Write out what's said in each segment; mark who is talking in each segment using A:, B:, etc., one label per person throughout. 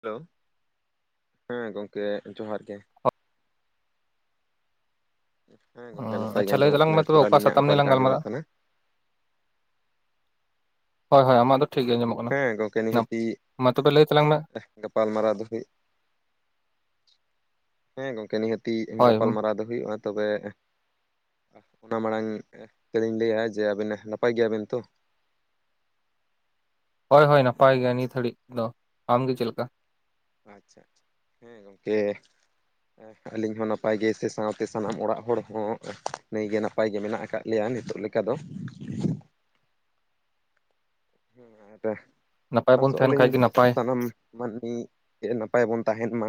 A: Hello, ᱦᱮᱸ ᱜᱚᱢᱠᱮ ᱡᱚᱦᱟᱨ ᱜᱮ ᱾ [inaudible] ᱱᱟᱯᱟᱭ ᱜᱮ
B: ᱟᱪᱪᱷᱨᱟ ᱞᱟᱹᱭ
A: ᱟᱸᱡᱚᱢᱚᱜ
B: ᱛᱟᱞᱟᱝ
A: ᱠᱟᱱᱟ
B: ᱢᱮ ᱛᱚᱵᱮ
A: ᱮᱨᱯᱚᱨ
B: ᱚᱠᱟ
A: ᱟᱹᱞᱤᱧᱟᱜ
B: ᱥᱟᱛᱟᱢ ᱱᱟᱹᱭᱮ ᱞᱟᱝ
A: ᱞᱮᱠᱟ
B: ᱜᱟᱞᱢᱟᱨᱟᱣᱼᱟ?
A: ᱟᱸᱡᱚᱢᱚᱜ ᱠᱟᱱᱟ
B: ᱦᱚᱭ ᱦᱚᱭ ᱟᱢᱟᱜ ᱫᱚ ᱴᱷᱤᱠ ᱜᱮ ᱟᱢᱚᱜ ᱠᱟᱱᱟ,
A: ᱦᱮᱸ ᱜᱚᱝᱠᱮ
B: ᱢᱟ ᱛᱚᱵᱮ ᱞᱟᱹᱭ ᱛᱟᱞᱟᱝ ᱢᱮ?
A: ᱜᱟᱯᱟᱞ ᱢᱟᱨᱟᱣ ᱫᱷᱟᱵᱤᱡ, ᱦᱮᱸ ᱜᱚᱢᱠᱮ ᱱᱤᱦᱟᱹᱛᱼᱼ ᱛᱤ
B: ᱦᱳᱭ
A: ᱜᱟᱯᱟᱞᱢᱟᱨᱟᱣ ᱫᱚ ᱦᱩᱭᱩᱜᱼᱟ᱾ ᱛᱚᱵᱮ ᱚᱱᱟ ᱢᱟᱲᱟᱝ ᱛᱮᱞᱤᱧ ᱞᱟᱹᱭᱮᱜ-ᱟ ᱡᱮ ᱟᱵᱤᱱ ᱱᱟᱯᱟᱭ ᱜᱮᱭᱟᱵᱮᱱ ᱛᱚ?
B: ᱦᱳᱭ ᱦᱳᱭ ᱱᱟᱯᱟᱭ ᱜᱮᱭᱟ ᱱᱤᱛ ᱦᱟᱹᱲᱤᱡ ᱫᱚ, ᱟᱢᱜᱮ ᱪᱮᱫ ᱞᱮᱠᱟ?
A: ᱟᱪᱪᱷᱟ ᱟᱪᱪᱷᱟ ᱦᱮᱸ ᱜᱚᱢᱠᱮ ᱦᱮᱸ᱾ ᱟᱹᱞᱤᱧ ᱦᱚᱸ ᱱᱟᱯᱟᱭ ᱜᱮ, ᱥᱮ ᱥᱟᱶᱛᱮ ᱥᱟᱱᱟᱢ ᱚᱲᱟᱜ ᱦᱚᱲ ᱦᱚᱸ ᱱᱟᱭᱜᱮ ᱱᱟᱯᱟᱭ ᱜᱮ ᱢᱮᱱᱟᱜ ᱟᱠᱟᱫ ᱞᱮᱭᱟ ᱱᱤᱛᱚᱜ ᱞᱮᱠᱟ ᱫᱚ᱾ ᱦᱮᱸ ᱦᱮᱸ
B: ᱱᱟᱯᱟᱭ ᱵᱚᱱ
A: ᱟᱥᱚᱜ
B: ᱛᱟᱦᱮᱱ
A: ᱟᱹᱞᱤᱧ
B: ᱠᱷᱟᱡ ᱜᱮ ᱱᱟᱯᱟᱭ
A: ᱥᱟᱱᱟᱢ ᱢᱟᱹᱱᱢᱤ ᱪᱮ ᱱᱟᱯᱟᱭ ᱵᱚᱱ ᱛᱟᱦᱮᱱ ᱢᱟ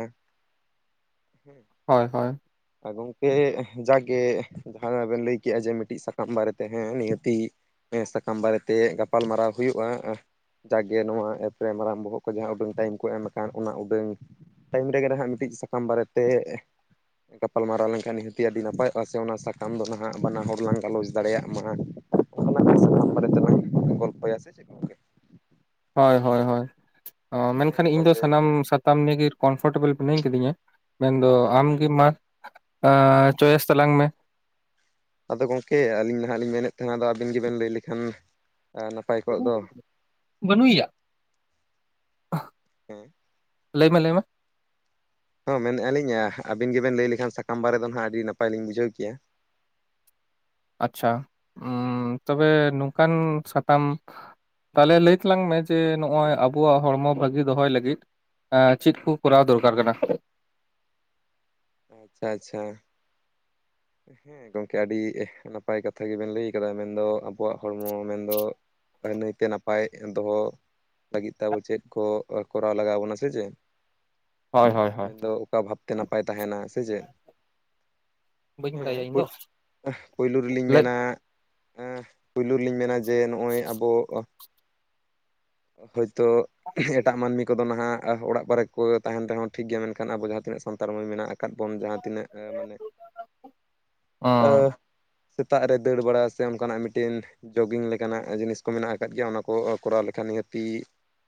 A: ᱦᱮᱸ᱾
B: ᱦᱚᱭ ᱦᱚᱭ᱾
A: ᱟ ᱜᱚᱝᱠᱮ ᱡᱟᱠᱜᱮ ᱡᱟᱦᱟᱸ ᱵᱮᱱ ᱞᱟᱹᱭ ᱠᱮᱜᱼᱟ ᱡᱮ ᱢᱤᱫᱴᱤᱡ ᱥᱟᱠᱟᱢ ᱵᱟᱨᱮᱛᱮ ᱦᱮᱸ ᱱᱤᱦᱟᱹᱛᱤ ᱦᱮᱸ ᱥᱟᱠᱟᱢ ᱵᱟᱨᱮ ᱛᱮ ᱜᱟᱯᱟᱞ ᱢᱟᱨᱟᱣ ᱦᱩᱭᱩᱜᱼᱟ, ᱡᱟᱠᱜᱮ ᱱᱚᱣᱟ ᱮᱯ ᱨᱮ ᱢᱟᱨᱟᱝ ᱵᱚᱦᱚᱜ ᱠᱚ ᱡᱟᱦᱟᱸ ᱩᱰᱟᱹᱝ ᱴᱟᱭᱤᱢ ᱠᱚ ᱮᱢ ᱟᱠᱟᱱ ᱚᱱᱟ ᱩᱰᱟᱹᱝ ᱴᱟᱭᱤᱢ ᱨᱮᱜᱮ ᱱᱟᱦᱟᱜ ᱢᱤᱴᱤᱡ ᱥᱟᱠᱟᱢ ᱵᱟᱨᱮᱛᱮ ᱜᱟᱯᱟᱞᱢ ᱢᱟᱨᱟᱣ ᱞᱮᱱᱠᱷᱟᱱ ᱱᱤᱦᱟᱹᱛᱤ ᱟᱹᱰᱤ ᱱᱟᱯᱟᱭᱚᱜᱼᱟ, ᱥᱮ ᱚᱱᱟ ᱥᱟᱠᱟᱢ ᱫᱚ ᱱᱟᱦᱟᱜ ᱵᱟᱱᱟ ᱦᱚᱲ ᱞᱟᱝ ᱜᱟᱞᱚᱪ ᱫᱟᱲᱮᱭᱟᱜ ᱢᱟ᱾ ᱚᱱᱟ ᱥᱟᱛᱟᱢ ᱵᱟᱨᱮ ᱛᱮᱞᱟᱝ ᱜᱚᱞᱯᱚᱭᱟ ᱥᱮ ᱪᱮᱫ ᱜᱚᱝᱠᱮ?
B: ᱦᱚᱭ ᱦᱚᱭ ᱦᱚᱭ ᱚ
A: ᱦᱮᱸ
B: ᱢᱮᱱᱠᱷᱟᱱ ᱤᱧ ᱫᱚ
A: ᱜᱚᱝᱠᱮ
B: ᱥᱟᱱᱟᱢ ᱥᱟ ᱛᱟᱢ ᱱᱤᱭᱟᱹᱜᱮ ᱠᱚᱢᱯᱷᱚᱴᱮᱵᱚᱞ ᱢᱤᱱᱟᱹᱧ ᱠᱟᱹᱫᱤᱧᱟ ᱢᱮᱱᱫᱚ ᱟᱢᱜᱮ ᱢᱟ᱾ ᱟ ᱪᱚᱭᱮᱥ ᱛᱟᱞᱟᱝ ᱢᱮ᱾
A: ᱟᱫᱚ ᱜᱚᱝᱠᱮ ᱟᱹᱞᱤᱧ ᱱᱟᱦᱟᱜ ᱞᱤᱧ ᱢᱮᱱᱮᱫ ᱛᱟᱦᱮᱱᱟᱫᱚ ᱟᱹᱵᱤᱱ ᱜᱮᱵᱮᱱ ᱞᱟᱹᱭ ᱞᱮᱠᱷᱟᱱ ᱱᱟᱯᱟᱭ ᱠᱚᱜ ᱫᱚ᱾
B: ᱵᱟᱹᱱᱩᱭ ᱭᱟ᱾
A: ᱦᱮᱸ᱾
B: ᱞᱟᱹᱭᱢᱮ ᱞᱮᱢᱮ
A: ᱦᱚᱸ ᱢᱮᱱᱮᱜᱼᱟ, ᱞᱤᱧ ᱟᱵᱤᱱ ᱜᱮᱵᱮᱱ ᱞᱟᱹᱭ ᱞᱮᱠᱷᱟᱱ ᱥᱟᱠᱟᱢ ᱵᱟᱨᱮ ᱫᱚ ᱦᱟᱜ ᱟᱹᱰᱤ ᱱᱟᱯᱟᱭ ᱞᱤᱧ ᱵᱩᱡᱟᱹᱣ ᱠᱮᱭᱟ᱾
B: ᱟᱪᱪᱷᱟ ᱛᱚᱵᱮ ᱱᱚᱝᱠᱟᱱ ᱥᱟᱛᱟᱢ ᱛᱟᱞᱮ ᱞᱟᱹᱭ ᱛᱟᱞᱟᱝ ᱢᱮ ᱡᱮ ᱱᱚᱜ-ᱚᱭ ᱟᱵᱚᱣᱟᱜ ᱦᱚᱲᱢᱚ ᱵᱷᱟᱹᱜᱤ ᱫᱚᱦᱚᱭ ᱞᱟᱹᱜᱤᱫᱼᱼ ᱮᱻ ᱪᱤᱱ ᱠᱩ ᱠᱚᱨᱟᱣ ᱫᱚᱨᱠᱟᱨ ᱠᱟᱱᱟ?
A: ᱟᱪᱪᱷᱟ ᱟᱪᱪᱷᱟ᱾ ᱦᱮᱸ, ᱜᱚᱝᱠᱮ ᱟᱰᱤ ᱱᱟᱯᱟᱭ ᱠᱟᱛᱷᱟ ᱜᱮᱵᱮᱱ ᱞᱟᱹᱭ ᱠᱟᱫᱟ ᱢᱮᱱᱫᱚ ᱟᱵᱚᱣᱟᱜ ᱦᱚᱲᱢᱚ ᱢᱮᱱᱫᱚ ᱱᱟᱹᱭᱛᱮ ᱱᱟᱯᱟᱭ ᱫᱚᱦᱚ᱾ ᱞᱟᱹᱜᱤᱫ ᱛᱮ ᱟᱵᱚ ᱪᱮᱱ ᱠᱚ ᱠᱚᱨᱟᱣ ᱞᱟᱜᱟᱣ ᱟᱵᱚᱱᱟ ᱥᱮ ᱪᱮᱫ?
B: ᱦᱳᱭ ᱦᱳᱭ ᱦᱳᱭ
A: ᱢᱮᱱᱫᱚ ᱚᱠᱟ ᱵᱷᱟᱵᱽ ᱛᱮ ᱱᱟᱯᱟᱭ ᱛᱟᱦᱮᱱᱟ ᱥᱮ ᱪᱮᱜ?
B: ᱵᱟᱹᱧ
A: ᱦᱮᱸ
B: ᱵᱟᱲᱟᱭᱟ ᱤᱧ ᱫᱚ
A: ᱯᱩᱭ ᱯᱩᱭᱞᱩ ᱨᱤᱞᱤᱧ
B: ᱞᱟᱹᱭ
A: ᱢᱮᱱᱟ ᱦᱮᱸ, ᱯᱩᱭᱞᱩ ᱨᱤᱞᱤᱧ ᱢᱮᱱᱟ ᱡᱮ ᱱᱚᱜ-ᱚᱭ ᱟᱵᱚ ᱦᱳᱭᱛᱚ ᱮᱴᱟᱜ ᱢᱟᱱᱢᱤ ᱠᱚᱫᱚ ᱱᱟᱦᱟᱜ ᱚ ᱚᱲᱟᱜ ᱠᱚᱨᱮ ᱠᱚ ᱛᱟᱦᱮᱱ ᱛᱮᱦᱚᱸ ᱴᱷᱤᱠ ᱜᱮᱭᱟ ᱢᱮᱱᱠᱷᱟᱱ ᱟᱵᱚ ᱡᱟᱦᱟᱸ ᱛᱤᱱᱟᱹᱜ ᱥᱟᱱᱛᱟᱲ ᱢᱟᱹᱭ ᱢᱮᱱᱟᱜ ᱟᱠ ᱠᱟᱫ ᱵᱚᱱ ᱡᱟᱦᱟᱸ ᱛᱤᱱᱟᱹᱜ ᱚ ᱢᱟᱱᱮ ᱟᱹ
B: ᱚᱸ
A: ᱥᱮᱛᱟᱜ ᱨᱮ ᱫᱟᱹᱲ ᱵᱟᱲᱟᱭ ᱥᱮ ᱚᱱᱠᱟ ᱱᱟᱜ ᱢᱤᱴᱤᱱ ᱡᱳᱜᱤᱝ ᱞᱮᱠᱟᱱᱟᱜ ᱡᱤᱱᱤᱥ ᱠᱚ ᱢᱮᱱᱟᱜ ᱟᱠᱟᱫ ᱜᱮᱭᱟ ᱚᱱᱟ ᱠᱚ ᱚ ᱠᱚᱨᱟᱣ ᱞᱮᱠᱷᱟᱱ ᱱᱤᱦᱟᱹᱼᱼ ᱛᱤ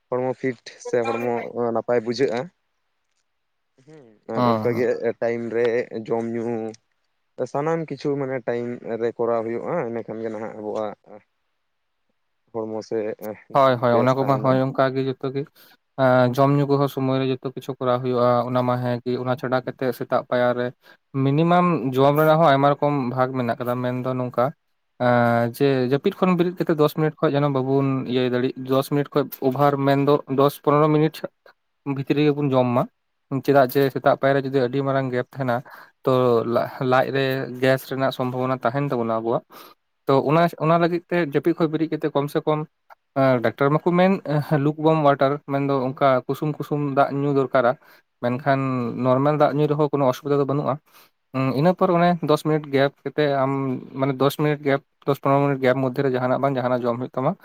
A: ᱦᱚᱲᱢᱚ ᱯᱷᱤᱴ ᱥᱮ ᱦᱚᱲᱢᱚ ᱚᱱᱟ ᱱᱟᱯᱼᱼ ᱯᱟᱭ ᱵᱩᱡᱷᱟᱹᱜ-ᱟ, ᱦᱮᱸ ᱟᱨ ᱚᱱᱠᱟ
B: ᱚᱸ
A: ᱜᱮ ᱮᱫ ᱴᱟᱭᱤᱢ ᱨᱮ ᱡᱚᱢ ᱧᱩ᱾ ᱛᱚ ᱥᱟᱱᱟᱢ ᱠᱤᱪᱷᱩ ᱢᱟᱱᱮ ᱴᱟᱭᱤᱢ ᱨᱮ ᱠᱚᱨᱟᱣ ᱦᱩᱭᱩᱜ-ᱟ, ᱮᱱᱮ ᱠᱷᱟᱱ ᱜᱮ ᱱᱟᱦᱟᱸᱜ ᱟᱵᱚᱣᱟᱜ ᱟ ᱦᱚᱲᱢᱚ ᱥᱮ
B: ᱦᱚᱭ
A: ᱡᱤᱣᱤ
B: ᱦᱚᱭ ᱚᱱᱟ
A: ᱵᱮᱥ
B: ᱠᱩᱢᱟ
A: ᱛᱟᱦᱮᱱᱟ
B: ᱦᱚᱭ ᱚᱱᱠᱟ ᱜᱮ ᱡᱚᱛᱚ ᱜᱮ ᱟ ᱡᱚᱢ ᱧᱩ ᱠᱚᱦᱚᱸ ᱥᱚᱢᱚᱭ ᱨᱮ ᱡᱚᱛᱚ ᱠᱤᱪᱷᱩ ᱠᱚᱨᱟᱣ ᱦᱩᱭᱩᱜ-ᱟ, ᱚᱱᱟ ᱢᱟ ᱦᱮᱸ᱾ ᱜᱤ ᱚᱱᱟ ᱪᱷᱟᱰᱟ ᱠᱟᱛᱮᱜ ᱥᱮᱛᱟᱜ ᱯᱟᱭᱟᱨ ᱨᱮ ᱢᱤᱱᱤᱢᱟᱢ ᱡᱚᱢ ᱨᱮᱱᱟᱜ ᱦᱚᱸ ᱟᱭᱢᱟ ᱨᱚᱠᱚᱢ ᱵᱷᱟᱜᱽ ᱢᱮᱱᱟᱜ ᱠᱟᱫᱟ ᱢᱮᱱᱫᱚ ᱱᱚᱝᱠᱟ ᱟᱸᱻ ᱡᱮ ᱡᱟᱹᱯᱤᱫ ᱠᱷᱚᱱ ᱵᱤᱨᱤᱫ ᱠᱟᱛᱮᱜ ᱫᱚᱥ ᱢᱤᱱᱤᱴ ᱠᱷᱚᱡ ᱡᱮᱱᱚ ᱵᱟᱹᱵᱩᱱ ᱤᱭᱟᱹᱭ ᱫᱟᱹᱲᱤᱜ ᱫᱚᱥ ᱢᱤᱱᱤᱴ ᱠᱷᱚᱡ ᱚᱵᱷᱟᱨ ᱢᱮᱱᱫᱚ ᱫᱚᱥ ᱯᱚᱱᱨᱚ ᱢᱤᱱᱤᱴ ᱵᱷᱤᱛᱨᱤ ᱜᱮᱵᱩᱱ ᱡᱚᱢ ᱢᱟ, ᱩᱸᱱ ᱪᱮᱫᱟᱜ ᱡᱮ ᱥᱮᱛᱟᱜ ᱯᱟᱭᱟᱨ ᱨᱮ ᱡᱩᱫᱤ ᱟᱹᱰᱤ ᱢᱟᱨᱟᱝ ᱜᱮᱯ ᱛᱮᱦᱮᱱᱟ ᱛᱚ ᱞᱟᱦ-ᱞᱟᱡ ᱨᱮ ᱜᱮᱥ ᱨᱮᱱᱟᱜ ᱥᱚᱢᱵᱷᱚᱵᱚᱱᱟ ᱛᱟᱦᱮᱱ ᱛᱟᱵᱚᱱᱟ ᱟᱵᱚᱣᱟᱜ᱾ ᱛᱚ ᱚᱱᱟ ᱚᱱᱟ ᱞᱟᱹᱜᱤᱫ ᱛᱮ ᱡᱟᱹᱯᱤᱫ ᱠᱷᱚᱡ ᱵᱤᱨᱤᱫ ᱠᱟᱛᱮᱜ ᱠᱚᱢ ᱥᱮ ᱠᱚᱢ ᱟᱸ ᱰᱟᱠᱴᱚᱨ ᱢᱟᱠᱩ ᱢᱮᱱ ᱮᱦ ᱞᱩᱠ ᱵᱚᱢ ᱣᱟᱴᱟᱨ ᱢᱮᱱᱫᱚ ᱚᱱᱠᱟ ᱠᱩᱥᱩᱢ ᱠᱩᱥᱩᱢ ᱫᱟᱜ ᱧᱩ ᱫᱚᱨᱠᱟᱨᱟ᱾ ᱢᱮᱱᱠᱷᱟᱱ ᱱᱚᱨᱢᱟᱞ ᱫᱟᱜ ᱧᱩᱭ ᱨᱮᱦᱚᱸ ᱠᱚᱱᱳ ᱚᱥᱩᱵᱤᱫᱟ ᱫᱚ ᱵᱟᱹᱱᱩᱜ-ᱟ᱾ ᱩᱸ ᱤᱱᱟᱹ ᱯᱚᱨ ᱚᱱᱮ ᱫᱚᱥ ᱢᱤᱱᱤᱴ ᱜᱮᱯ ᱠᱟᱛᱮᱜ ᱟᱢ ᱢᱟᱱᱮ ᱫᱚᱥ ᱢᱤᱱᱤᱴ ᱜᱮᱯ ᱫᱚᱥ ᱯᱚᱱᱨᱚ ᱢᱤᱱᱤᱴ ᱜᱮᱯ ᱢᱚᱫᱽᱫᱷᱮ ᱨᱮ ᱡᱟᱦᱟᱸᱱᱟᱜ ᱵᱟᱝ ᱡᱟᱦᱟᱸᱱᱟᱜ ᱡᱚᱢ ᱦᱚᱭᱩᱜ ᱛᱟᱢᱟ